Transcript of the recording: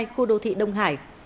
khu đô thị đông hải